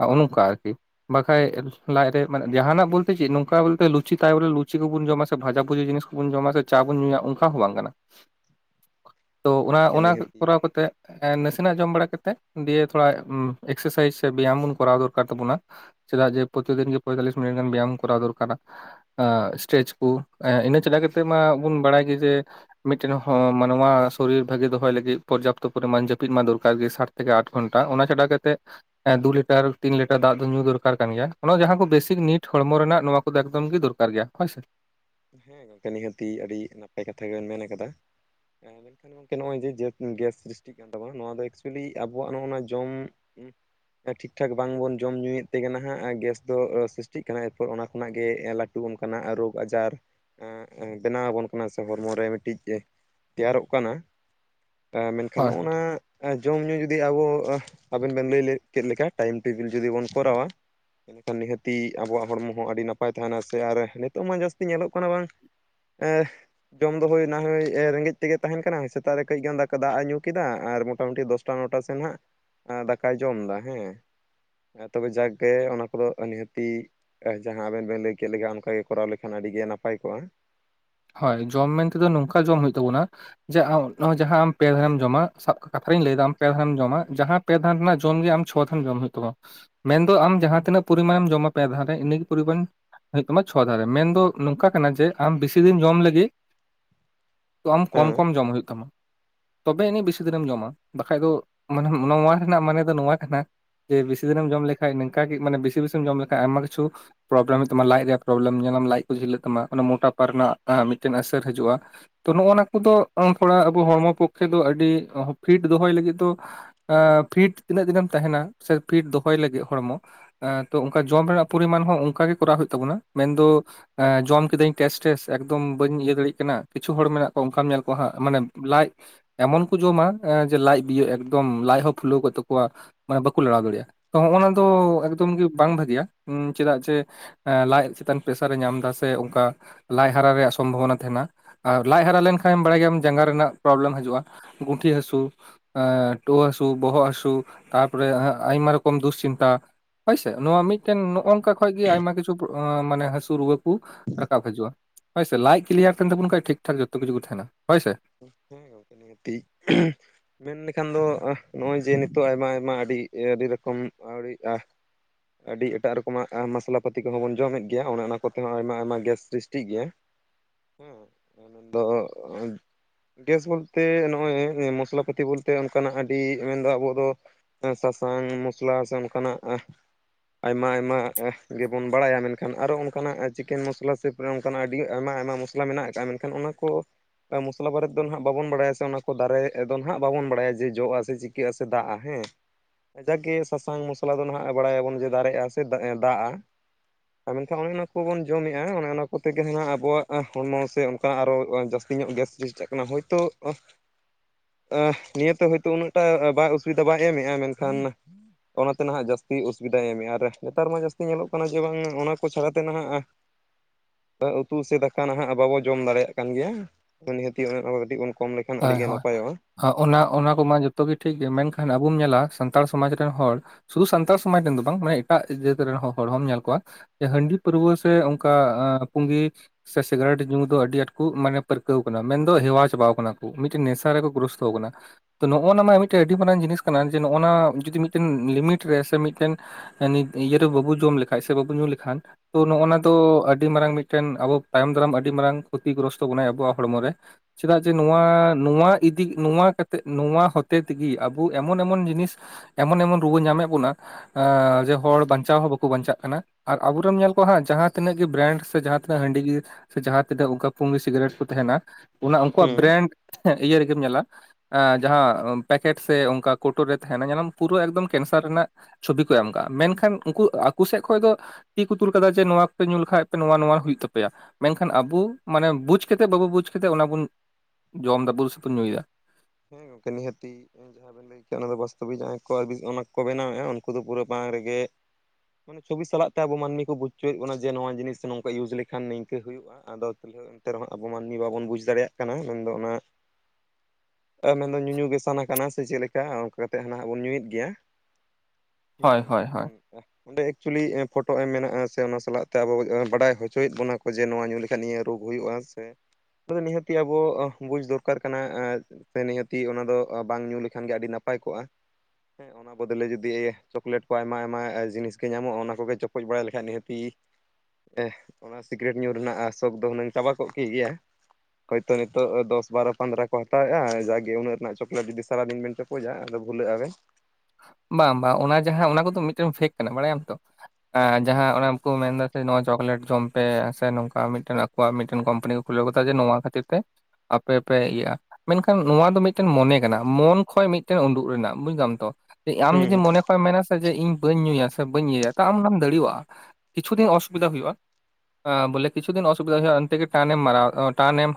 B: ᱟᱨ ᱚ-ᱱᱚᱝᱠᱟ ᱟᱨᱠᱤ᱾ ᱵᱟᱠᱷᱟᱡ ᱮ ᱞᱟᱡ ᱨᱮ ᱢᱟᱱᱮ ᱡᱟᱦᱟᱸᱱᱟᱜ ᱵᱩᱞᱛᱮ ᱪᱮᱫ ᱱᱚᱝᱠᱟ ᱵᱩᱞᱛᱮ ᱞᱩᱪᱤ ᱛᱟᱭ ᱵᱚᱞᱮ ᱞᱩᱪᱤ ᱠᱚᱵᱩᱱ ᱡᱚᱢᱟ ᱥᱮ ᱵᱷᱟᱡᱟ ᱵᱷᱩᱡᱤ ᱡᱤᱱᱤᱥ ᱵᱩᱱ ᱡᱚᱢᱟ ᱥᱮ ᱪᱟᱸ ᱵᱚᱱ ᱧᱩᱭᱟ ᱚᱱᱠᱟ ᱦᱚᱸ ᱵᱟᱝ ᱠᱟᱱᱟ, ᱛᱚ
A: ᱦᱮᱸ
B: ᱚᱱᱟ
A: ᱜᱚᱝᱠᱮ
B: ᱚᱱᱟ
A: ᱱᱤᱦᱟᱹᱛᱤ
B: ᱠᱚᱨᱟᱣ ᱠᱟᱛᱮᱜ ᱮ ᱱᱟᱥᱮ ᱱᱟᱜ ᱡᱚᱢ ᱵᱟᱲᱟ ᱠᱟᱛᱮᱜ ᱫᱤᱭᱮ ᱛᱷᱚᱲᱟ ᱩᱸ ᱮᱠᱥᱮᱥᱟᱭᱤᱡᱽ ᱥᱮ ᱵᱮᱭᱟᱢᱩᱱ ᱠᱚᱨᱟᱣ ᱫᱚᱨᱠᱟᱨ ᱛᱟᱹᱵᱩᱱᱟ ᱪᱮᱫᱟᱜ ᱡᱮ ᱯᱚᱨᱛᱤ ᱫᱤᱱ ᱜᱮ ᱯᱚᱸᱭᱛᱟᱞᱤᱥ ᱢᱤᱱᱤᱴ ᱜᱟᱱ ᱵᱮᱭᱟᱢ ᱠᱚᱨᱟᱣ ᱫᱚᱨᱠᱟᱨᱟ᱾ ᱟ ᱮᱥᱴᱮᱡᱽ ᱠᱩ ᱮᱸ ᱤᱱᱟᱹ ᱪᱷᱟᱰᱟ ᱠᱟᱛᱮᱜ ᱢᱟᱵᱚᱱ ᱵᱟᱲᱟᱭ ᱜᱮ ᱡᱮ ᱢᱤᱫᱴᱮᱱ ᱦᱚᱸ ᱢᱟᱱᱣᱶᱟ ᱥᱚᱨᱤᱨ ᱵᱷᱟᱜᱮ ᱫᱚᱦᱚᱭ ᱞᱟᱹᱜᱤᱫ ᱯᱚᱨᱡᱟᱯᱛᱚ ᱯᱚᱨᱤᱢᱟᱱ ᱡᱟᱹᱯᱤᱫ ᱢᱟ ᱫᱚᱨᱠᱟᱨ ᱜᱮ ᱥᱟᱨ ᱛᱷᱮᱠᱮ ᱟᱴ ᱜᱷᱚᱱᱴᱟ ᱚᱱᱟ ᱪᱷᱟᱰᱟ ᱠᱟᱛᱮᱜ ᱮᱸ ᱫᱩ ᱞᱤᱴ ᱴᱟᱨ ᱛᱤᱱ ᱞᱤᱴᱟᱨ ᱫᱟᱜ ᱫᱚ ᱧᱩ ᱫᱚᱨᱠᱟᱨ ᱠᱟᱱ ᱜᱮᱭᱟ ᱚᱱᱟ ᱫᱚ ᱡᱟᱦᱟᱸ ᱠᱚ ᱵᱮᱥᱤᱠ ᱱᱤᱴ ᱦᱚᱲᱢᱚ ᱨᱮᱱᱟᱜ ᱱᱚᱣᱟ ᱠᱚᱫᱚ ᱮᱠᱫᱚᱢ ᱜᱮ ᱫᱚᱨᱟᱨ ᱜᱮᱭᱟ ᱦᱚᱭ ᱥᱮ᱾
A: ᱦᱮᱸ ᱜᱚᱝᱠᱮ ᱱᱤᱦᱟᱹᱛᱤ ᱟᱹᱰᱤ ᱱᱟᱯᱟᱭ ᱠᱟᱛᱷᱟ ᱜᱮᱵᱮᱱ ᱢᱮᱱ ᱟᱠᱟᱫᱟ᱾ ᱮᱸ ᱢᱮᱱᱠᱷᱟᱱ ᱜᱚᱝᱠᱮ ᱱᱚᱜ-ᱚᱭ ᱡᱮ ᱡᱮᱛ ᱩᱸ ᱜᱮᱥ ᱥᱨᱤᱥᱴᱤᱜ ᱠᱟᱱ ᱛᱟᱵᱚᱱᱟ ᱱᱚᱣᱟ ᱫᱚ ᱮᱠᱪᱩᱞᱤ ᱟᱵᱚᱣᱟᱜ ᱱᱚᱜ-ᱚᱱᱟ ᱡᱚᱢ ᱩᱸᱜ ᱮᱸ ᱴᱷᱤᱠ ᱴᱷᱟᱠ ᱵᱟᱝ ᱵᱚᱱ ᱡᱚᱢ ᱧᱩᱭᱮᱫ ᱛᱮᱜᱮ ᱱᱟᱦᱟᱸᱜ ᱜᱮᱥ ᱫᱚ ᱚ ᱥᱤᱥᱴᱤᱜ ᱠᱟᱱᱟ ᱮᱭ ᱯᱚᱨ ᱚᱱᱟ ᱠᱷᱚᱱᱟᱜ ᱜᱮ ᱮ ᱞᱟᱴ ᱴᱩ ᱚᱱᱠᱟᱱᱟᱜ ᱟᱨ ᱨᱳᱜᱽ ᱟᱡᱟᱨ᱾ ᱮᱸᱜ ᱮ ᱵᱮᱱᱟᱣ ᱟᱵᱚᱱ ᱠᱟᱱᱟ ᱥᱮ ᱦᱚᱲᱢᱚ ᱨᱮ ᱢᱤᱫᱴᱤᱡ ᱛᱮᱭᱟᱨᱚᱜ ᱠᱟᱱᱟ᱾ ᱮ
B: ᱦᱳᱭ
A: ᱢᱮᱱᱠᱷᱟᱱ ᱱᱚᱜ-ᱚᱱᱟ ᱟ ᱡᱚᱢᱼᱧᱩ ᱡᱩᱫᱤ ᱟᱵᱚ ᱚ ᱟᱵᱮᱱ ᱵᱮᱱ ᱞᱟᱹᱭ ᱞᱮᱜ ᱠᱮᱜ ᱞᱮᱠᱟ ᱴᱟᱭᱤᱢ ᱴᱮᱵᱤᱞ ᱡᱩᱫᱤ ᱵᱚᱱ ᱠᱚᱨᱟᱣᱟ ᱮᱠᱷᱟᱱ ᱱᱤᱦᱟᱹᱛᱤ ᱟᱵᱚᱣᱟᱜ ᱦᱚᱲᱢᱚ ᱦᱚᱸ ᱟᱹᱰᱤ ᱱᱟᱯᱟᱭ ᱛᱮᱦᱮᱱᱟ ᱥᱮ ᱟᱨ ᱱᱤᱛᱚᱜ ᱢᱟ ᱡᱟᱹᱥᱛᱤ ᱧᱮᱞᱚᱜ ᱠᱟᱱᱟ ᱵᱟᱝᱼᱼ ᱮᱦ᱾ ᱡᱚᱢ ᱫᱚ ᱦᱳᱭ ᱱᱟᱦᱳᱭ ᱮ ᱨᱮᱸᱜᱮᱡ ᱛᱮᱜᱮ ᱛᱟᱦᱮᱱ ᱠᱟᱱᱟ ᱦᱳᱭ ᱥᱮᱛᱟᱜ ᱨᱮ ᱠᱟᱹᱡ ᱜᱟᱱ ᱫᱟᱠᱟ ᱫᱟᱜ ᱮ ᱧᱩ ᱠᱮᱫᱟ ᱟᱨ ᱢᱚᱴᱟᱼᱢᱩᱴᱤ ᱫᱚᱥ ᱟᱴᱴᱟ ᱱᱚᱴᱟ ᱥᱮᱱ ᱦᱟᱸᱜ ᱟ ᱫᱟᱠᱟᱭ ᱡᱚᱢᱫᱟ ᱦᱮᱸ᱾ ᱛᱚᱵᱮ ᱡᱟᱠᱜᱮ ᱚᱱᱟ ᱠᱚᱫᱚ ᱱᱤᱦᱟᱹᱛᱤ ᱡᱟᱦᱟᱸ ᱟᱵᱮᱱ ᱵᱮᱱ ᱞᱟᱹᱭ ᱠᱮᱫ ᱞᱮᱠᱟ ᱚᱱᱠᱟ ᱜᱮ ᱠᱚᱨᱟᱣ ᱞᱮ ᱠᱷᱟᱱ ᱟᱹᱰᱤ ᱜᱮ ᱱᱟᱯᱟᱭ ᱠᱚᱜᱼᱟ᱾
B: ᱦᱳᱭ ᱡᱚᱢ ᱢᱮᱱᱛᱮᱫᱚ ᱱᱚᱝᱠᱟ ᱡᱚᱢ ᱦᱳᱭᱩᱜ ᱛᱟᱵᱚᱱᱟ ᱡᱮ ᱟᱢ ᱱᱚᱜ-ᱚᱭ ᱦᱟᱦᱟᱸ ᱟᱢ ᱯᱮ ᱫᱷᱟᱣ ᱮᱢ ᱡᱚᱢᱟ ᱥᱟᱵ ᱠᱟᱛᱷᱟᱨᱮᱧ ᱞᱟᱹᱭᱮᱫᱟ ᱟᱢ ᱯᱮ ᱫᱷᱟᱣᱮᱢ ᱡᱚᱢᱟ
A: ᱦᱩᱸ
B: ᱡᱟᱦᱟᱸ ᱯᱮ ᱫᱷᱟᱱ ᱨᱮᱱᱟᱜ ᱡᱚᱢ ᱜᱮ ᱟᱢ ᱪᱷᱚ ᱫᱷᱟᱱ ᱡᱚᱢ ᱦᱩᱭᱩᱜ ᱛᱟᱢᱟ᱾ ᱢᱮᱱᱫᱚ ᱟᱢ ᱡᱟᱦᱟᱸ ᱛᱤᱱᱟᱹᱜ ᱯᱚᱨᱤᱢᱟᱱᱮᱢ ᱡᱚᱢᱟ ᱯᱮ ᱫᱷᱟᱣ ᱨᱮ ᱤᱱᱟᱹᱜ ᱜᱮ ᱯᱚᱨᱤᱢᱟᱱ ᱦᱩᱭᱩᱜ ᱛᱟᱢᱟ ᱪᱷᱚ ᱫᱷᱟᱣᱨᱮ, ᱢᱮᱱᱫᱚ ᱱᱚᱝᱠᱟ ᱠᱟᱱᱟ ᱡᱮ ᱟᱢ ᱵᱤᱥᱤ ᱡᱩᱫᱤᱢ ᱡᱚᱢ ᱞᱟᱹᱜᱤᱫ ᱛᱚ ᱟᱢ ᱠᱚᱢ
A: ᱦᱮᱸ
B: ᱠᱚᱢ ᱡᱚᱢ ᱦᱩᱭᱩᱜ ᱛᱟᱢᱟ᱾ ᱛᱚᱵᱮ ᱟᱹᱱᱤᱡ ᱵᱮᱥᱤ ᱫᱤᱱᱮᱢ ᱡᱚᱢᱟ ᱵᱟᱠᱷᱟᱡ ᱫᱚ ᱢᱟᱱᱫ ᱱᱚᱣᱟ ᱨᱮᱱᱟᱜ ᱢᱟᱱᱮ ᱫᱚ ᱱᱚᱣᱟ ᱠᱟᱱᱟ ᱡᱮ ᱵᱮᱥᱤ ᱫᱤᱱᱮᱢ ᱡᱚᱢ ᱞᱮᱠᱟᱱ ᱱᱤᱝᱟ ᱜᱮ ᱢᱟᱱᱮ ᱵᱤᱥᱤ ᱵᱮᱥᱤᱢ ᱡᱚᱢ ᱞᱮᱠᱷᱟᱡ ᱟᱭᱢᱟ ᱠᱤᱪᱷᱩ ᱯᱨᱚᱵᱽᱞᱮᱢ ᱦᱩᱭᱩᱜ ᱛᱟᱢᱟ ᱞᱟᱡ ᱨᱮᱭᱟᱜ ᱯᱨᱚᱵᱞᱮᱢ ᱧᱮᱞᱟᱢ ᱞᱟᱡᱽ ᱠᱚ ᱡᱷᱤᱡᱞᱞᱟᱹᱜ ᱛᱟᱢᱟ, ᱚᱱᱟ ᱢᱚᱴᱟᱯᱟ ᱨᱮᱱᱟᱜ ᱱᱟᱦᱟᱜ ᱢᱤᱫᱴᱮᱱ ᱟᱹᱥᱟᱹᱨ ᱦᱤᱡᱩᱜᱼᱟ᱾ ᱛᱚ ᱱᱚᱜᱼᱚᱱᱟ ᱠᱚᱫᱚ ᱛᱷᱚᱲᱟ ᱟᱵᱚ ᱦᱚᱲᱢᱚ ᱯᱚᱠᱠᱷᱮ ᱫᱚ ᱟᱹᱰᱤ ᱯᱷᱤᱴ ᱫᱚᱦᱚᱭ ᱞᱟᱹᱜᱤᱫ ᱫᱚ ᱮᱸ ᱯᱷᱤᱴ ᱛᱤᱱᱟᱹᱜ ᱫᱤᱱᱮᱢ ᱛᱟᱦᱮᱱᱟ ᱥᱮ ᱯᱷᱤᱴ ᱫᱚᱦᱚᱭ ᱞᱟᱹᱜᱤᱫ ᱦᱚᱲᱢᱚ ᱮᱸ ᱛᱚ ᱚᱱᱠᱟ ᱡᱚᱢ ᱨᱮᱱᱟᱜ ᱯᱚᱨᱤᱢᱟᱱ ᱦᱚᱸ ᱚᱱᱠᱟ ᱜᱮ ᱠᱚᱨᱟᱣ ᱦᱳᱭᱩᱜ ᱛᱟᱵᱚᱱᱟ ᱢᱮᱱᱫᱚ ᱮᱸ ᱡᱚᱢ ᱠᱤᱫᱟᱹᱧ ᱴᱮᱥᱴᱮᱥ ᱮᱠᱫᱚᱢ ᱵᱟᱹᱧ ᱤᱭᱟᱹ ᱫᱟᱲᱮᱜ ᱠᱟᱱᱟ ᱠᱤᱪᱷᱩ ᱦᱚᱲ ᱢᱮᱱᱟᱜ ᱠᱚᱣᱟ ᱚᱱᱠᱟᱢ ᱧᱮᱞ ᱠᱚᱣᱟ ᱦᱟᱸᱜ ᱢᱟᱱᱮ ᱞᱟᱡᱽ ᱮᱢᱚᱱ ᱠᱚ ᱡᱚᱢᱟ ᱮ ᱡᱮ ᱞᱟᱡᱽ ᱵᱤᱭᱳᱜ ᱮᱠᱫᱚᱢ ᱞᱟᱡᱽ ᱦᱚᱸ ᱯᱷᱩᱞᱟᱹᱣ ᱠᱚᱜ ᱛᱟᱠᱚᱣᱟ ᱢᱟᱱᱮ ᱵᱟᱠᱚ ᱞᱟᱲᱟᱣ ᱫᱟᱲᱮᱭᱟᱜᱼᱟ᱾ ᱛᱚ ᱦᱚᱜᱼᱚᱱᱟ ᱫᱚ
A: ᱦᱩᱸ
B: ᱮᱠᱫ ᱮᱠᱫᱳᱢ ᱜᱮ ᱵᱟᱝ ᱵᱷᱟᱜᱮᱭᱟ ᱪᱮᱫᱟᱜ ᱡᱮ ᱞᱟᱡ ᱪᱮᱛᱟᱱ ᱯᱮᱥᱟᱨ ᱮ ᱧᱟᱢ ᱮᱫᱟ ᱥᱮ ᱚᱱᱠᱟ ᱞᱟᱡᱽ ᱦᱟᱨᱟ ᱨᱮᱭᱟᱜ ᱥᱚᱢᱵᱷᱚᱵᱚᱱᱟ ᱛᱟᱦᱮᱱᱟ ᱟᱨ ᱞᱟᱡᱽ ᱦᱟᱨᱟ ᱞᱮᱱᱠᱷᱟᱱ ᱵᱟᱲᱟᱭ ᱜᱮᱭᱟᱢ ᱡᱟᱸᱜᱟ ᱨᱮᱱᱟᱜ ᱯᱨᱚᱵᱞᱮᱢ ᱦᱤᱡᱩᱜᱼᱟ ᱾ ᱜᱩᱴᱷᱤ ᱦᱟᱹᱥᱩ ᱾ ᱮ ᱴᱩ ᱦᱟᱹᱥᱩ ᱵᱚᱦᱚᱜ ᱦᱟᱹᱥᱩ ᱛᱟᱨᱯᱚᱨᱮ ᱟᱭᱢᱟ ᱨᱚᱠᱚᱢ ᱫᱩᱥᱪᱤᱱᱛᱟ ᱾ ᱦᱳᱭᱥᱮ ᱱᱚᱣᱟ ᱢᱤᱫᱴᱮᱱ ᱱᱚᱜᱼᱱᱚᱝᱠᱟ ᱠᱷᱚᱱ ᱜᱮ ᱟᱭᱢᱟ ᱠᱤᱪᱷᱩ ᱢᱟᱱᱮ ᱦᱟᱹᱥᱩ ᱨᱩᱣᱟᱹ ᱠᱩ ᱨᱟᱠᱟᱵ ᱦᱤᱡᱩᱜᱼᱟ ᱦᱳᱭᱥᱮ ᱞᱟᱡᱽ ᱠᱞᱤᱭᱟᱨ ᱛᱟᱦᱮᱸᱱ ᱛᱟᱵᱳᱱ ᱠᱷᱟᱱ ᱴᱷᱤᱠ ᱴᱷᱟᱠ ᱡᱚᱛᱚ ᱠᱤᱪᱷᱩ ᱛᱟᱦᱮᱱᱟ ᱦᱳᱭ ᱥᱮ ᱾
A: [inaudible] [unintelligible] ᱢᱮᱱᱞᱮᱠᱷᱟᱱ ᱫᱚ ᱱᱚᱜᱼᱚᱭ ᱡᱮ ᱱᱤᱛᱚᱜ ᱟᱭᱢᱟ ᱟᱭᱢᱟ ᱟᱹᱰᱤ ᱟᱹᱰᱤ ᱨᱚᱠᱚᱢ ᱟᱹᱣᱨᱤᱜᱼᱟ ᱾ ᱟᱹᱰᱤ ᱮᱴᱟᱜ ᱨᱚᱠᱚᱢᱟᱜ ᱢᱚᱥᱞᱟ ᱯᱟᱹᱛᱤ ᱠᱚᱦᱚᱸ ᱵᱚᱱ ᱡᱚᱢᱮᱫ ᱜᱮᱭᱟ ᱚᱱᱮ ᱚᱱᱟ ᱠᱚᱛᱮ ᱦᱚᱸ ᱟᱭᱢᱟ ᱟᱭᱢᱟ ᱜᱮᱥ ᱥᱨᱤᱥᱴᱤᱜ ᱜᱮᱭᱟ ᱾
B: [inaudible]
A: ᱦᱮ [inaudible] ᱚᱱᱟ ᱫᱚ ᱜᱮᱥ ᱵᱚᱞᱛᱮ ᱱᱚᱜᱼᱚᱭ ᱢᱚᱥᱞᱟ ᱯᱟᱹᱛᱤ ᱵᱚᱞᱛᱮ ᱚᱱᱠᱟᱱᱟᱜ ᱟᱹᱰᱤ ᱢᱮᱱᱫᱚ ᱟᱵᱚ ᱫᱚ ᱥᱟᱥᱟᱝ ᱢᱚᱥᱞᱟ ᱥᱮ ᱚᱱᱠᱟᱱᱟᱜ ᱟᱸᱦ ᱟᱭᱢᱟ ᱟᱭᱢᱟ ᱟᱸᱦ ᱜᱮᱵᱚᱱ ᱵᱟᱲᱟᱭᱟ ᱢᱮᱱᱠᱷᱟᱱ ᱟᱨᱚ ᱚᱱᱠᱟᱱᱟᱜ ᱪᱤᱠᱮᱱ ᱢᱚᱥᱞᱟ ᱥᱮ ᱛᱟᱯᱚᱨᱮ ᱚᱱᱠᱟᱱᱟᱜ ᱟᱹᱰᱤ ᱟᱭᱢᱟ ᱟᱭᱢᱟ ᱢᱚᱥᱞᱟ ᱢᱮᱱᱟᱜ ᱟᱠᱟᱫᱼᱟ ᱢᱮᱱᱠᱷᱟᱱ ᱚᱱᱟ ᱠᱚ ᱢᱚᱥ ᱢᱚᱥᱞᱟ ᱵᱟᱨᱮᱛᱮ ᱫᱚ ᱱᱟᱦᱟᱜ ᱵᱟᱵᱚᱱ ᱵᱟᱲᱟᱭᱟ ᱥᱮ ᱚᱱᱟ ᱠᱚ ᱫᱟᱨᱮ ᱫᱚ ᱱᱟᱦᱟᱜ ᱵᱟᱵᱚᱱ ᱵᱟᱲᱟᱭᱟ ᱡᱮ ᱡᱚᱜᱼᱟ ᱥᱮ ᱪᱤᱠᱟᱹᱜᱼᱟ ᱥᱮ ᱫᱟᱜᱼᱟ ᱦᱮᱸ ᱾ ᱡᱟᱜ ᱜᱮ ᱥᱟᱥᱟᱝ ᱢᱚᱥᱞᱟ ᱫᱚ ᱱᱟᱦᱟᱜ ᱵᱟᱲᱟᱭᱟᱵᱚᱱ ᱡᱮ ᱫᱟᱨᱮᱜᱼᱟ ᱥᱮ ᱫᱟᱜᱼᱟ ᱾ ᱟᱨ ᱢᱮᱱᱠᱷᱟᱱ ᱚᱱᱮ ᱚᱱᱟ ᱠᱚᱵᱚᱱ ᱡᱚᱢᱮᱫᱼᱟ ᱚᱱᱮ ᱚᱱᱟ ᱠᱚ ᱛᱮᱜᱮ ᱱᱟᱦᱟᱜ ᱟᱵᱚᱣᱟᱜ ᱦᱚᱲᱢᱚ ᱥᱮ ᱚᱱᱠᱟ ᱟᱨᱚ ᱡᱟᱹᱥᱛᱤ ᱧᱚᱜ ᱜᱮᱥ ᱥᱨᱤᱥᱴᱤᱟᱜ ᱠᱟᱱᱟ, ᱦᱳᱭᱛᱚ ᱟᱡ ᱱᱤᱭᱟᱹᱛᱮ ᱦᱳᱭᱛᱳ ᱩᱱᱟᱹᱜ ᱴᱟᱜ ᱵᱟᱭ ᱚᱥᱩᱵᱤᱫᱷᱟ ᱵᱟᱭ ᱮᱢᱮᱫᱼᱟ, ᱢᱮᱱᱠᱷᱟᱱ ᱚᱱᱟᱛᱮ ᱱᱟᱜ ᱡᱟᱹᱥᱛᱤ ᱚᱥᱩᱵᱤᱫᱟᱭ ᱮᱢᱮᱫᱼᱟ ᱟᱨ ᱱᱮᱛᱟᱨ ᱢᱟ ᱡᱟᱹᱥᱛᱤ ᱧᱮᱞᱚᱜ ᱠᱟᱱᱟ ᱡᱮ ᱵᱟᱝ ᱚᱱᱟ ᱠᱚ ᱪᱷᱟᱲᱟ ᱛᱮ ᱱᱟᱦᱟᱜ
B: [inaudible]
A: ᱩᱛᱩ ᱥᱮ ᱫᱟᱠᱟ ᱱᱟᱦᱟᱜ ᱵᱟᱵᱚ ᱡᱚᱢ ᱫᱟᱲᱮᱭᱟᱜ ᱠᱟᱱ ᱜᱮᱭᱟ, ᱱᱤᱦᱟᱹᱛᱤ ᱚᱱᱮ ᱚᱱᱟ ᱠᱟᱹᱴᱤᱡ ᱵᱚᱱ ᱠᱚᱢ ᱞᱮᱠᱷᱟᱱ
B: [unintelligible]
A: ᱟᱹᱰᱤ ᱜᱮ
B: ᱦᱳᱭ
A: ᱱᱟᱯᱟᱭᱚᱜᱼᱟ
B: ᱾ ᱚᱱᱟ ᱚᱱᱟ ᱠᱚᱢᱟ ᱡᱚᱛᱚ ᱜᱮ ᱴᱷᱤᱠ ᱜᱮᱭᱟ, ᱢᱮᱱᱠᱷᱟᱱ ᱟᱵᱚᱢ ᱧᱮᱞᱟ ᱥᱟᱱᱛᱟᱲ ᱥᱚᱢᱟᱡᱽ ᱨᱮᱱ ᱦᱚᱲ ᱥᱩᱫᱷᱩ ᱥᱟᱱᱛᱟᱲ ᱥᱚᱢᱟᱡᱽ ᱨᱮᱱ ᱫᱚ ᱵᱟᱝ ᱢᱟᱱᱮ ᱮᱴᱟᱜ ᱡᱟᱹᱛ ᱨᱮᱱ ᱦᱚᱲ ᱦᱚᱸᱢ ᱧᱮᱞ ᱠᱚᱣᱟ ᱾ ᱦᱟᱺᱰᱤ ᱯᱟᱹᱨᱣᱟᱹ ᱥᱮ ᱚᱱᱠᱟ ᱯᱩᱸᱜᱤ ᱥᱮ ᱥᱤᱜᱟᱨᱮᱴ ᱧᱩ ᱫᱚ ᱟᱹᱰᱤ ᱟᱸᱴ ᱠᱚ ᱢᱟᱱᱮ ᱯᱟᱹᱨᱠᱟᱹᱣ ᱟᱠᱟᱱᱟ, ᱢᱮᱱᱫᱚ ᱦᱮᱣᱟ ᱪᱟᱵᱟᱣ ᱟᱠᱟᱱᱟ ᱠᱚ ᱢᱤᱫᱴᱮᱱ ᱱᱮᱥᱟ ᱨᱮᱠᱚ ᱜᱨᱩᱥᱛᱚ ᱟᱠᱟᱱᱟ ᱾ ᱛᱚ ᱱᱚᱜᱼᱚᱱᱟ ᱢᱟᱨᱟᱝ ᱢᱤᱫᱴᱮᱱ ᱟᱹᱰᱤ ᱢᱟᱨᱟᱝ ᱡᱤᱱᱤᱥ ᱠᱟᱱᱟ ᱡᱮ ᱱᱚᱜᱼᱚ ᱱᱚᱣᱟ ᱡᱩᱫᱤ ᱢᱤᱫᱴᱮᱱ ᱞᱤᱢᱤᱴ ᱨᱮ ᱥᱮ ᱢᱤᱫᱴᱮᱱ ᱤᱭᱟᱹᱨᱮ ᱵᱟᱵᱚ ᱡᱚᱢ ᱞᱮᱠᱷᱟᱡ ᱥᱮ ᱵᱟᱵᱚ ᱧᱩ ᱞᱮᱠᱷᱟᱱ ᱛᱚ ᱱᱚᱜᱼᱱᱟ ᱫᱚ ᱟᱹᱰᱤ ᱢᱟᱨᱟᱝ ᱢᱤᱫᱴᱮᱱ ᱟᱵᱚ ᱛᱟᱭᱚᱢ ᱫᱟᱨᱟᱢ ᱟᱹᱰᱤ ᱢᱟᱨᱟᱝ ᱠᱷᱚᱛᱤᱜᱨᱚᱥᱛᱚ ᱵᱚᱱᱟᱭ ᱟᱵᱚᱣᱟᱜ ᱦᱚᱲᱢᱚ ᱨᱮ ᱾ ᱪᱮᱫᱟᱜ ᱡᱮ ᱱᱚᱣᱟ ᱱᱚᱣᱟ ᱤᱫᱤ ᱱᱚᱣᱟ ᱠᱟᱛᱮ ᱱᱚᱣᱟ ᱦᱚᱛᱮ ᱛᱮᱜᱮ ᱟᱵᱚ ᱮᱢᱚᱱ ᱮᱢᱚᱱ ᱡᱤᱱᱤᱥ ᱮᱢᱚᱱ ᱮᱢᱚᱱ ᱨᱩᱣᱟᱹ ᱧᱟᱢᱮᱫ ᱵᱚᱱᱟ ᱡᱮ ᱦᱚᱲ ᱵᱟᱧᱪᱟᱣ ᱦᱚᱸ ᱵᱟᱠᱚ ᱵᱟᱧᱪᱟᱜ ᱠᱟᱱᱟ ᱾ ᱟᱨ ᱟᱵᱚᱨᱮᱢ ᱧᱮᱞ ᱠᱚᱣᱟ ᱦᱟᱸᱜ ᱡᱟᱦᱟᱸ ᱛᱤᱱᱟᱹᱜ ᱜᱮ ᱵᱨᱮᱱᱰ ᱥᱮ ᱡᱟᱦᱟᱸ ᱛᱤᱱᱟᱹᱜ ᱦᱟᱺᱰᱤ ᱜᱮ ᱥᱮ ᱡᱟᱦᱟᱸ ᱛᱤᱱᱟᱹᱜ ᱚᱱᱠᱟ ᱯᱩᱝᱤ ᱥᱤᱜᱨᱮᱴ ᱠᱚ ᱛᱟᱦᱮᱱᱟ ᱚᱱᱟ ᱩᱱᱠᱩᱣᱟᱜ
A: ᱦᱩᱸ
B: ᱵᱨᱮᱱᱰ ᱤᱭᱟᱹ ᱨᱮᱜᱮᱢ ᱧᱮᱞᱟ ᱡᱟᱦᱟᱸ ᱯᱮᱠᱮᱴ ᱥᱮ ᱚᱱᱠᱟ ᱠᱳᱣᱴᱚ ᱨᱮ ᱛᱟᱦᱮᱱᱟ [unintelligible] ᱯᱩᱨᱟᱹ ᱮᱠᱫᱚᱢ ᱠᱮᱱᱥᱟᱨ ᱨᱮᱱᱟᱜ ᱪᱷᱚᱵᱤ ᱠᱚ ᱮᱢ ᱠᱟᱜᱼᱟ ᱢᱮᱱ ᱠᱷᱟᱱ ᱩᱱᱠᱩ ᱟᱠᱚ ᱥᱮᱫ ᱠᱷᱚᱚᱡ ᱫᱚ ᱛᱤ ᱠᱚ ᱫᱩᱞ ᱠᱟᱫᱟ ᱡᱮ ᱱᱚᱣᱟ ᱠᱚᱯᱮ ᱧᱩ ᱞᱮᱠᱷᱟᱡ ᱯᱮ ᱱᱚᱣᱟ ᱱᱚᱣᱟ ᱦᱩᱭᱩᱜ ᱛᱟᱯᱮᱭᱟ ᱾ ᱢᱮᱱᱠᱷᱟᱱ ᱟᱵᱚ ᱢᱟᱱᱮ ᱵᱩᱡ ᱠᱟᱛᱮᱫ ᱵᱟᱵᱚ ᱵᱩᱡ ᱠᱟᱛᱮᱫ ᱚᱱᱟ ᱵᱚᱱ ᱡᱚᱢ ᱮᱫᱟ ᱵᱚᱱ ᱥᱮ ᱵᱚᱱ ᱧᱩᱭ ᱮᱫᱟ ᱾
A: ᱦᱮᱸ ᱜᱚᱝᱠᱮ ᱱᱤᱦᱟᱹᱛᱤ ᱾ [unintelligible] ᱵᱟᱥᱛᱚᱵᱤ ᱡᱟᱦᱟᱸᱭ ᱠᱚ ᱟᱨ ᱚᱱᱟ ᱠᱚ ᱵᱮᱱᱟᱣᱮᱫᱼᱟ ᱩᱱᱠᱩ ᱫᱚ ᱯᱩᱨᱟᱹ ᱵᱟᱝ ᱨᱮᱜᱮ ᱪᱚᱵᱤᱥ ᱥᱟᱞᱟᱜ ᱛᱮ ᱟᱵᱚ ᱢᱟᱹᱱᱢᱤ ᱠᱚ ᱵᱩᱡᱽ ᱦᱚᱪᱚᱭᱮᱫ ᱵᱚᱱᱟ ᱡᱮ, ᱱᱚᱣᱟ ᱡᱤᱱᱤᱥ ᱱᱚᱝᱠᱟ ᱤᱭᱩᱡᱽ ᱞᱮᱠᱷᱟᱱ ᱱᱤᱝᱠᱟᱹ ᱦᱩᱭᱩᱜᱼᱟ ᱾ ᱟᱫᱚ ᱮᱱᱛᱮ ᱨᱮᱦᱚᱸ ᱟᱵᱚ ᱢᱟᱹᱱᱢᱤ ᱵᱟᱵᱚᱱ ᱵᱩᱡ ᱫᱟᱲᱮᱭᱟᱜ ᱠᱟᱱᱟ ᱢᱮᱱ ᱫᱚ ᱚᱱᱟ ᱢᱮᱱ ᱫᱚ ᱧᱩ ᱧᱩ ᱜᱮ ᱥᱟᱱᱟ ᱠᱟᱱᱟ ᱥᱮ ᱪᱮᱫ ᱞᱮᱠᱟ ᱚᱱᱠᱟ ᱠᱟᱛᱮᱫ ᱦᱟᱸᱜ ᱵᱚᱱ ᱧᱩᱭᱮᱫ ᱜᱮᱭᱟ ᱾ ᱦᱮᱸ
B: ᱦᱳᱭ
A: ᱢᱮᱱ
B: ᱦᱳᱭ
A: ᱠᱷᱟᱱ
B: ᱦᱳᱭ
A: ᱚᱸᱰᱮ ᱮᱠᱪᱩᱭᱮᱞᱤ ᱯᱷᱳᱴᱳ ᱮᱢ ᱢᱮᱱᱟᱜᱼᱟ ᱥᱮ ᱚᱱᱟ ᱥᱟᱞᱟᱜ ᱛᱮ ᱟᱵᱚ ᱵᱟᱰᱟᱭ ᱦᱚᱪᱚᱭᱮᱫ ᱵᱚᱱᱟ ᱠᱚ ᱡᱮ ᱱᱚᱣᱟ ᱧᱩ ᱱᱤᱭᱟᱹ ᱨᱳᱜᱽ ᱦᱩᱭᱩᱜᱼᱟ ᱥᱮ ᱱᱤᱦᱟᱹᱛᱤ ᱟᱵᱚ ᱵᱩᱡᱽ ᱫᱚᱨᱠᱟᱨ ᱠᱟᱱᱟ ᱾ ᱥᱮ ᱱᱤᱦᱟᱛᱤ ᱚᱱᱟ ᱫᱚ ᱵᱟᱝ ᱧᱩ ᱞᱮ ᱠᱷᱟᱱ ᱜᱮ ᱟᱹᱰᱤ ᱱᱟᱯᱟᱭ ᱠᱚᱜᱼᱟ᱾ ᱦᱮᱸ ᱵᱚᱫᱚᱞᱮ ᱡᱩᱫᱤ ᱪᱚᱠᱞᱮᱴ ᱠᱚ ᱟᱭᱢᱟ, ᱟᱭᱢᱟ ᱡᱤᱱᱤᱥ ᱜᱮ ᱧᱟᱢᱚᱜᱼᱟ᱾ ᱚᱱᱟ ᱠᱚ ᱜᱮ ᱪᱚᱠᱚᱡ ᱵᱟᱲᱟᱭ ᱞᱮᱠᱷᱟᱡ ᱱᱤᱦᱟᱹᱛᱤ ᱦᱮᱸ ᱚᱱᱟ ᱥᱤᱠᱨᱮᱴ ᱧᱩ ᱨᱮᱱᱟᱜ ᱥᱚᱠ ᱫᱚ ᱦᱩᱱᱟᱹᱝ ᱪᱟᱵᱟ ᱠᱚᱜ ᱠᱮ ᱜᱮᱭᱟᱢ ᱾ ᱦᱳᱭᱛᱳ ᱱᱤᱛᱚᱜ ᱫᱚᱥ ᱵᱟᱨᱚ ᱯᱚᱱᱨᱚ ᱠᱚ ᱦᱟᱛᱟᱣᱮᱫᱼᱟ᱾ ᱡᱟᱜᱮ ᱩᱱᱟᱹᱜ ᱨᱮᱱᱟᱜ ᱪᱚᱠᱞᱮᱴ ᱥᱟᱨᱟ ᱫᱤᱱ ᱵᱤᱱ ᱪᱚᱯᱚᱡᱟ ᱟᱫᱚ ᱵᱷᱩᱞᱟᱹᱜ ᱟᱵᱮᱱ
B: ᱵᱟᱝ, ᱵᱟᱝ ᱚᱱᱟ ᱡᱟᱦᱟᱸ ᱚᱱᱟ ᱠᱚ ᱫᱚ ᱢᱤᱫᱴᱮᱱ ᱯᱷᱮᱠ ᱠᱟᱱᱟ ᱵᱟᱲᱟᱭᱟᱢ ᱛᱚ ᱾ ᱦᱮᱸ ᱡᱟᱦᱟᱸ ᱚᱱᱟᱠᱩ ᱢᱮᱱ ᱫᱟ ᱥᱮ ᱱᱚᱣᱟ ᱪᱚᱠᱞᱮᱴ ᱡᱚᱢ ᱯᱮ ᱥᱮ ᱱᱚᱝᱠᱟ ᱢᱤᱫᱴᱮᱱ ᱟᱠᱣᱟᱜ ᱢᱤᱫ ᱴᱮᱱ ᱠᱳᱢᱯᱟᱱᱤ ᱠᱚ ᱠᱷᱩᱞᱟᱹᱣ ᱟᱠᱟᱫᱟ ᱡᱮ ᱱᱚᱣᱟ ᱠᱷᱟᱹᱛᱤᱨ ᱛᱮ ᱟᱯᱮ ᱯᱮ ᱤᱭᱟᱹᱼᱟ ᱢᱮᱱᱠᱷᱟᱱ ᱱᱚᱣᱟ ᱫᱚ ᱢᱤᱫ ᱴᱮᱱ ᱢᱚᱱᱮ ᱠᱟᱱᱟ, ᱢᱚᱱ ᱠᱷᱚᱱᱚᱡ ᱢᱤᱫ ᱴᱮᱱ ᱩᱰᱩᱩᱜ ᱨᱮᱱᱟᱜ ᱵᱩᱡᱫᱟᱢ ᱛᱚ᱾ ᱟᱢ
A: ᱦᱩᱸ
B: ᱡᱩᱫᱤ ᱢᱚᱱᱮ ᱠᱷᱚᱡ ᱢᱮᱱᱟ ᱥᱮ ᱡᱮ ᱤᱧ ᱵᱟᱹᱧ ᱧᱩᱭᱟ ᱥᱮ ᱵᱟᱹᱧ ᱤᱭᱟᱹᱭᱟ ᱛᱚ ᱟᱢ ᱫᱟᱲᱮᱭᱟᱜᱼᱟ, ᱠᱤᱪᱷᱩ ᱫᱤᱱ ᱚᱥᱩᱵᱤᱫᱟ ᱦᱩᱭᱩᱜᱭᱼᱟ᱾ ᱟ ᱵᱚᱞᱮ ᱠᱤᱪᱷᱩ ᱫᱤᱱ ᱚᱥᱩᱵᱤᱫᱷᱟ ᱦᱩᱭᱩᱜ ᱚᱱ ᱛᱮᱜᱮ ᱴᱟᱱᱮᱢ ᱢᱟᱨᱟᱣ ᱴᱟᱱᱮᱢ